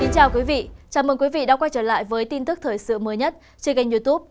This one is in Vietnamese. chào mừng quý vị đến quay trở lại với tin tức thời sự mới nhất trên kênh youtube